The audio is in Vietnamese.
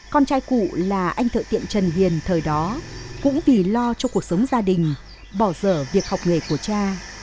con trai cụ là anh thợ tiện trần hiền thời đó cũng vì lo cho cuộc sống gia đình bỏ dở việc học nghề của cha